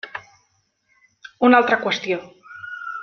Una altra qüestió.